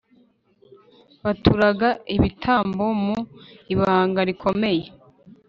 baturaga ibitambo mu ibanga rikomeye